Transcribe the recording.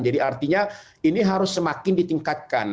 jadi artinya ini harus semakin ditingkatkan